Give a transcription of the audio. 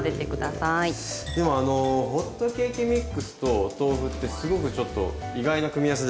でもホットケーキミックスとお豆腐ってすごくちょっと意外な組み合わせですね。